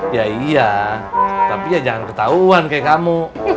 ya iya tapi ya jangan ketahuan kayak kamu